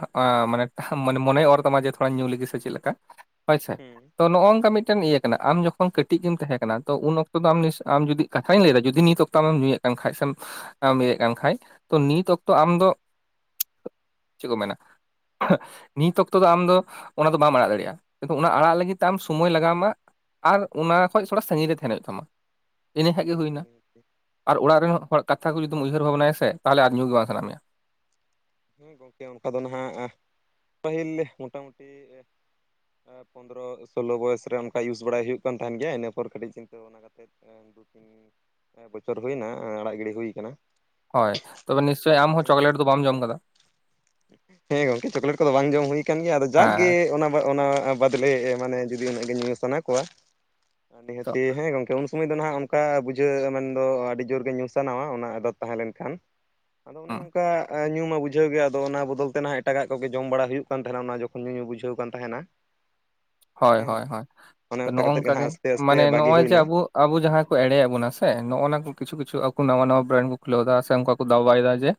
B: ᱢᱟᱱᱮ ᱢᱟᱱᱮ ᱢᱚᱱᱮᱭ ᱚᱨ ᱛᱟᱢᱟ ᱡᱮ ᱛᱷᱚᱲᱟ ᱧᱩ ᱞᱟᱹᱜᱤᱫ ᱥᱮ ᱪᱮᱫ ᱞᱮᱠᱟ ᱾ ᱦᱳᱭ ᱥᱮ
A: ᱦᱩᱸ
B: ᱛᱚ ᱱᱚᱜᱼ ᱱᱚᱝᱠᱟ ᱢᱤᱫ ᱴᱮᱱ ᱤᱭᱟᱹ ᱠᱟᱱᱟ᱾ ᱟᱢ ᱡᱚ ᱠᱷᱚᱱ ᱠᱟᱹᱴᱤᱡ ᱜᱮᱢ ᱛᱟᱦᱮᱸ ᱠᱟᱱᱟ ᱛᱚ ᱩᱱ ᱚᱠᱛᱚ ᱫᱚ ᱟᱢ ᱡᱩᱫᱤ ᱠᱟᱛᱷᱟᱧ ᱞᱟᱹᱭᱮᱫᱟ ᱡᱩᱫᱤ ᱱᱤᱛ ᱚᱠᱛᱚᱮᱢ ᱧᱩᱭᱮᱫ ᱠᱟᱱ ᱠᱷᱟᱡ ᱥᱮᱢ [inaudible] ᱱᱤᱛ ᱚᱠᱛᱚ ᱟᱢ ᱫᱚ ᱪᱮᱫ ᱠᱚ ᱢᱮᱱᱟ ᱱᱤᱛ ᱚᱠᱛᱚ ᱫᱚ ᱟᱢᱫᱚ ᱚᱱᱟ ᱫᱚ ᱵᱟᱢ ᱟᱲᱟᱜ ᱫᱟᱲᱮᱭᱟᱜᱼᱟ, ᱚᱱᱟ ᱟᱲᱟᱜ ᱞᱟᱹᱜᱤᱫ ᱛᱮ ᱟᱢ ᱥᱚᱢᱚᱭ ᱞᱟᱜᱟᱣ ᱢᱟ ᱟᱨ ᱚᱱᱟ ᱠᱷᱚᱡ ᱛᱷᱚᱲᱟ ᱥᱟᱺᱜᱤᱧ ᱨᱮ ᱛᱟᱦᱮᱱ ᱦᱩᱭᱩᱜ ᱛᱟᱢᱟ᱾ ᱤᱱᱟᱹ
A: ᱦᱩᱸ
B: ᱠᱷᱟᱱ ᱜᱮ
A: ᱱᱤᱦᱟᱹᱛᱤ
B: ᱦᱩᱭᱱᱟ᱾
A: ᱱᱤᱦᱟᱹᱛᱤ
B: ᱟᱨ ᱚᱲᱟᱜ ᱨᱮᱱ ᱦᱚᱲ ᱠᱟᱛᱷᱟ ᱠᱩᱢ ᱩᱭᱦᱟᱹᱨ ᱵᱷᱟᱵᱱᱟᱭᱟ ᱥᱮ ᱛᱟᱦᱚᱞᱮ ᱟᱨ ᱧᱩ ᱜᱮ ᱵᱟᱝ ᱥᱟᱱᱟ ᱢᱮᱭᱟ ᱾
A: ᱦᱮᱸ ᱜᱚᱝᱠᱮ ᱚᱱᱠᱟ ᱫᱚ ᱱᱟᱦᱟᱜ ᱯᱟᱹᱦᱤᱞ ᱢᱚᱴᱟ ᱢᱩᱴᱤ ᱯᱚᱱᱫᱽᱨᱚ, ᱥᱳᱞᱳ ᱵᱚᱭᱚᱥ ᱨᱮ ᱚᱱᱠᱟ ᱤᱭᱩᱥ ᱵᱟᱲᱟᱭ ᱦᱩᱭᱩᱜ ᱠᱟᱱ ᱛᱟᱦᱮᱱ ᱜᱮᱭᱟ᱾ ᱤᱱᱟᱹ ᱯᱚᱨ ᱠᱟᱹᱴᱤᱡ ᱪᱤᱱᱛᱟᱹ ᱵᱷᱟᱵ ᱱᱟ ᱠᱟᱛᱮᱫ ᱫᱩ ᱛᱤᱱ ᱵᱚᱪᱷᱚᱨ ᱦᱩᱭᱱᱟ ᱟᱲᱟᱜ ᱜᱤᱲᱤ ᱦᱩᱭ ᱠᱟᱱᱟ ᱾
B: ᱦᱳᱭ ᱛᱚᱵᱮ ᱱᱤᱥᱪᱳᱭ ᱟᱢ ᱦᱚᱸ ᱪᱚᱠᱞᱮᱴ ᱫᱚ ᱵᱟᱢ ᱡᱚᱢ ᱠᱟᱫᱟ ᱾
A: ᱦᱮᱸ ᱜᱚᱝᱠᱮ ᱪᱚᱠᱞᱮᱴ ᱠᱚᱫᱚ ᱵᱟᱝ ᱡᱚᱢ ᱦᱩᱭ ᱠᱟᱱᱟᱱ ᱜᱮᱭᱟ᱾ ᱟᱫᱚ ᱡᱟᱠ ᱜᱮ
B: ᱦᱮᱸ
A: ᱚᱱᱟ, ᱚᱱᱟ ᱵᱟᱫ ᱞᱮ ᱢᱟᱱᱮ ᱡᱩᱫᱤ ᱩᱱᱟᱹᱜ ᱜᱮ ᱧᱩ ᱧᱩ ᱥᱟᱱᱟ ᱠᱚᱣᱟ,
B: ᱛᱚ
A: ᱱᱤᱦᱟᱹᱛᱤ ᱦᱮᱸ ᱜᱚᱝᱠᱮ ᱾ ᱥᱩᱢᱚᱭ ᱫᱚ ᱱᱟᱦᱟᱜ ᱚᱱᱠᱟ ᱵᱩᱡᱷᱟᱹᱣ ᱢᱮᱱ ᱫᱚ ᱟᱹᱰᱤ ᱡᱳᱨ ᱜᱮ ᱧᱩ ᱥᱟᱱᱟᱣᱟ ᱚᱱᱟ ᱟᱫᱚᱛ ᱛᱟᱦᱮᱸ ᱞᱮᱱ ᱠᱷᱟᱱ ᱟᱫᱚ ᱚᱱᱮ ᱚᱱᱠᱟ ᱧᱩ ᱢᱟ ᱵᱩᱡᱷᱟᱹᱣ ᱜᱮᱭᱟᱢ ᱾ ᱟᱫᱚ ᱚᱱᱟ ᱵᱚᱫᱚᱞ ᱛᱮ ᱱᱟᱦᱟᱜ ᱮᱴᱟᱜᱟᱜ ᱠᱚᱜᱮ ᱡᱚᱢ ᱵᱟᱲᱟ ᱦᱩᱭᱩᱜ ᱠᱟᱱ ᱛᱟᱦᱮᱱᱟ, ᱚᱱᱟ ᱡᱚᱠᱷᱚᱱ ᱧᱩ, ᱧᱩ ᱵᱩᱡᱷᱟᱹᱣ ᱠᱟᱱ ᱛᱟᱦᱮᱱᱟ ᱾
B: ᱦᱳᱭ, ᱦᱳᱭ, ᱦᱳᱭ
A: ᱚᱱᱮ ᱚᱱᱠᱟ ᱠᱟᱛᱮᱫ
B: ᱱᱚᱝᱠᱟ ᱜᱮ
A: ᱱᱟᱦᱟᱜ ᱟᱥᱛᱮ ᱟᱥᱛᱮ
B: ᱢᱟᱱᱮ
A: ᱵᱟᱹᱜᱤ
B: ᱱᱚᱜᱼᱚᱭ ᱡᱮ
A: ᱦᱩᱭᱱᱟ
B: ᱟᱵᱚ ᱟᱵᱚ ᱡᱟᱦᱟᱸᱭ ᱠᱚ ᱮᱲᱮ ᱮᱫ ᱵᱚᱱᱟ ᱥᱮ ᱱᱚᱜᱼᱱᱟ ᱠᱚ ᱠᱤᱪᱷᱩ, ᱠᱤᱪᱷᱩ ᱟᱠᱚ ᱱᱟᱣᱟ ᱱᱟᱣᱟ ᱵᱨᱮᱱᱰ ᱠᱚ ᱠᱷᱩᱞᱟᱹᱣᱫᱟ ᱥᱮ ᱚᱱᱠᱟ ᱠᱚ ᱫᱟᱣᱵᱟᱭᱮᱫᱟ ᱡᱮ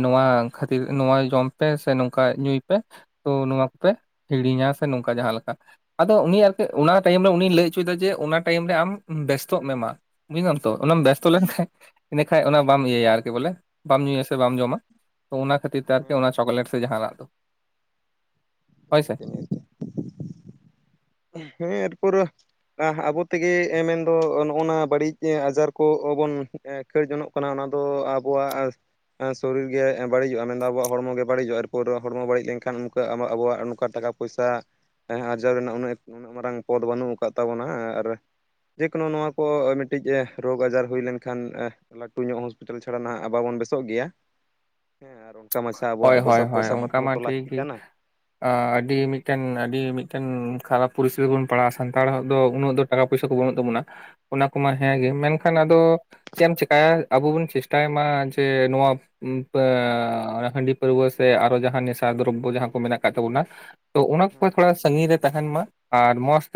B: ᱱᱚᱣᱟ ᱠᱷᱟᱹᱛᱤᱨ ᱱᱚᱣᱟ ᱡᱚᱢ ᱯᱮ ᱥᱮ ᱱᱚᱝᱠᱟ ᱧᱩᱭ ᱯᱮ ᱛᱚ ᱱᱚᱣᱟ ᱠᱚ ᱯᱮ ᱦᱤᱲᱤᱧᱟ ᱥᱮ ᱱᱚᱝᱠᱟ ᱡᱟᱦᱟᱸ ᱞᱮᱠᱟ ᱾ ᱟᱫᱚ ᱩᱱᱤ ᱟᱨᱠᱤ ᱚᱱᱟ ᱴᱟᱭᱤᱢ ᱨᱮ ᱩᱱᱤ ᱞᱟᱹᱭ ᱦᱚᱪᱚᱭᱮᱫᱟ ᱡᱮ ᱚᱱᱟ ᱴᱟᱭᱤᱢ ᱨᱮ ᱟᱢ ᱵᱮᱥᱛᱚᱜ ᱢᱮ ᱢᱟ ᱾ ᱵᱩᱡᱷᱫᱟᱢ ᱛᱚ ᱚᱱᱟᱢ ᱵᱮᱥᱛᱚ ᱞᱮᱱᱠᱷᱟᱱ ᱤᱱᱟᱹ ᱠᱷᱟᱡ ᱚᱱᱟ ᱵᱟᱢ ᱤᱭᱟᱹᱭᱟ ᱟᱨᱠᱤ ᱵᱚᱞᱮ ᱵᱟᱢ ᱧᱩᱭᱟ ᱥᱮ ᱵᱟᱢ ᱡᱚᱢᱟ ᱾ ᱛᱚ ᱚᱱᱟ ᱠᱷᱟᱹᱛᱤᱨ ᱛᱮ ᱟᱨᱠᱤ ᱚᱱᱟ ᱪᱚᱠᱞᱮᱴ ᱥᱮ ᱡᱟᱦᱟᱱᱟᱜ ᱦᱳᱭ ᱥᱮ ᱾
A: ᱦᱮᱸ ᱮᱨ ᱯᱩᱨᱟᱹ ᱾ ᱟ ᱟᱵᱚ ᱛᱮᱜᱮ ᱮᱢᱮᱱ ᱫᱚ ᱱᱚᱜᱼᱱᱟ ᱵᱟᱹᱲᱤᱡ ᱟᱡᱟᱨ ᱠᱚᱦᱚᱸ ᱵᱚᱱ ᱠᱟᱹᱭ ᱡᱚᱱᱚᱜ ᱠᱟᱱᱟ ᱚᱱᱟ ᱫᱚ ᱟᱵᱚᱣᱟᱜ ᱟᱨ ᱥᱚᱨᱤᱨ ᱜᱮ ᱵᱟᱹᱲᱤᱡᱚᱜᱼᱟ, ᱢᱮᱱᱫᱟ ᱟᱵᱚᱣᱟᱜ ᱦᱚᱲᱢᱚ ᱜᱮ ᱵᱟᱹᱲᱤᱡᱚᱜᱼᱟ, ᱮᱨ ᱯᱚᱨ ᱦᱚᱲᱢᱚ ᱵᱟᱹᱲᱤᱡ ᱞᱮᱱᱠᱷᱟᱱ ᱩᱱᱠᱟ ᱟᱢᱟᱜ ᱟᱵᱚᱣᱟᱜ ᱱᱚᱝᱠᱟ ᱴᱟᱠᱟ ᱯᱚᱭᱥᱟ ᱟᱨᱡᱟᱣ ᱨᱮᱱᱟᱜ ᱩᱱᱟᱹ, ᱩᱱᱟᱹᱜ ᱢᱟᱨᱟᱝ ᱯᱚᱫᱽ ᱵᱟᱹᱱᱩᱜ ᱟᱠᱟᱫ ᱛᱟᱵᱚᱱᱟ ᱟᱨ ᱡᱮ ᱠᱳᱱᱳ ᱱᱚᱣᱟ ᱠᱚ ᱢᱤᱫᱴᱤᱡ ᱮᱸ ᱨᱳᱜᱽ ᱟᱸᱡᱟᱨ ᱦᱩᱭ ᱞᱮᱱ ᱠᱷᱟᱱ ᱮᱸ ᱞᱟᱹᱴᱩ ᱧᱚᱜ ᱦᱚᱸᱥᱯᱤᱴᱟᱞ ᱪᱷᱟᱲᱟ ᱱᱟᱦᱸᱜ ᱵᱟᱵᱚᱱ ᱵᱮᱥᱚᱜ ᱜᱮᱭᱟ ᱦᱮᱸ ᱟᱨ ᱚᱱᱠᱟ ᱢᱟᱪᱷᱟ
B: ᱦᱳᱭ,
A: ᱟᱵᱚᱣᱟᱜ
B: ᱦᱳᱭ,
A: ᱯᱚᱭᱥᱟ
B: ᱦᱳᱭ,
A: ᱯᱚᱭᱥᱟ ᱯᱟᱹᱛᱤ
B: ᱚᱝᱠᱟ ᱢᱟ᱾
A: ᱦᱚᱸᱛᱚ
B: ᱴᱷᱤᱠ
A: ᱞᱟᱹᱠᱛᱤ
B: ᱜᱮ
A: ᱠᱟᱱᱟ
B: ᱟᱹᱰᱤ ᱢᱤᱫᱴᱮᱱ, ᱟᱹᱰᱤ ᱢᱤᱫᱴᱮᱱ, ᱠᱷᱟᱨᱟᱯ ᱯᱚᱨᱤᱥ ᱨᱮᱵᱚᱱ ᱯᱟᱲᱟᱜᱼᱟ᱾ ᱥᱟᱱᱛᱟᱲ ᱦᱚᱲ ᱫᱚ ᱩᱱᱟᱹᱜ ᱫᱚ ᱴᱟᱠᱟ ᱯᱚᱭᱥᱟᱹ ᱠᱚ ᱵᱟᱹᱱᱩᱜ ᱛᱟᱵᱚᱱᱟ᱾ ᱚᱱᱟ ᱠᱚᱢᱟ ᱦᱮᱸ ᱜᱮ᱾ ᱢᱮᱱᱠᱷᱟᱱ ᱟᱫᱚ ᱪᱮᱫ ᱮᱢ ᱪᱤᱠᱟᱭᱟ᱾ ᱟᱵᱚ ᱵᱚᱱ ᱪᱮᱥᱴᱟᱭ ᱢᱟ ᱡᱮ ᱱᱚᱣᱟ ᱯᱟᱹᱻ ᱦᱟᱺᱰᱤ ᱯᱟᱹᱨᱣᱟᱹ ᱥᱮ ᱟᱨᱚ ᱡᱟᱦᱟᱸ ᱱᱮᱥᱟ ᱫᱨᱚᱵᱽᱵᱚ ᱡᱟᱦᱟᱸ ᱠᱚ ᱢᱮᱱᱟᱼᱜ ᱟᱠᱟᱜ ᱛᱟᱵᱚᱱᱟ᱾ ᱛᱚ ᱚᱱᱟ
A: ᱦᱮᱸ
B: ᱠᱚ ᱛᱷᱚᱲᱟ ᱥᱟᱹᱜᱤᱧ
A: ᱦᱮᱸ
B: ᱨᱮ ᱛᱟᱦᱮᱱ ᱢᱟ᱾ ᱟᱨ ᱢᱚᱸᱥ ᱛᱮ